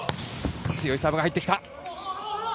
強いサーブが入ってきた。